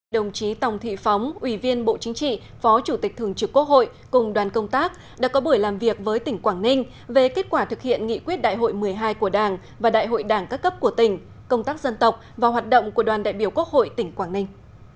đồng chí tòng thị phóng ủy viên bộ chính trị phó chủ tịch thường trực quốc hội cùng đoàn công tác đã có buổi làm việc với tỉnh quảng ninh về kết quả thực hiện nghị quyết đại hội một mươi hai của đảng và đại hội đảng các cấp của tỉnh công tác dân tộc và hoạt động của đoàn đại biểu quốc hội tỉnh quảng ninh